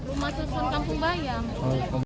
rumah rusun kampung bayam